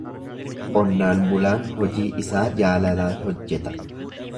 Qonnaan bulaan hojii isaa jaalalaan hojjeta.